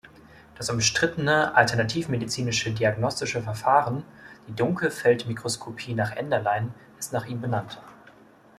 Das umstrittene alternativmedizinische diagnostische Verfahren, die "Dunkelfeldmikroskopie nach Enderlein", ist nach ihm benannt.